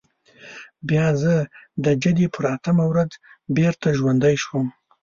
بیا زه د جدي پر اتمه ورځ بېرته ژوندی شوم.